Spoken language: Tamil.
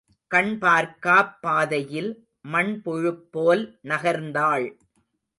கண் பார்க்காப் பாதையில் மண்புழுபோல் நகர்ந்தாள்.